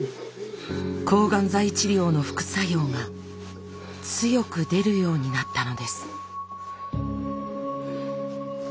抗がん剤治療の副作用が強く出るようになったのです。